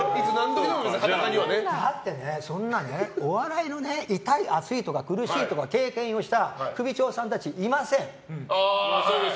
だってね、お笑いの痛い、熱いとか苦しいとか経験をした首長さんたちいません。